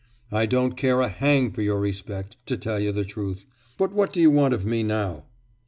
I don't care a hang for your respect, to tell you the truth; but what do you want of me now?